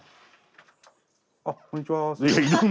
あこんにちは。